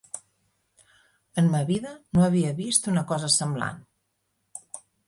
En ma vida no havia vist una cosa semblant.